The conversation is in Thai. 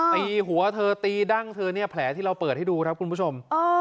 ตีหัวเธอตีดั้งเธอเนี่ยแผลที่เราเปิดให้ดูครับคุณผู้ชม